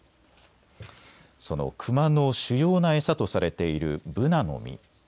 そのクマの主要な餌とされているブナの実。